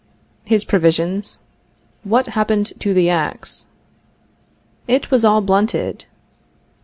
His provisions. What happened to the ax? It was all blunted.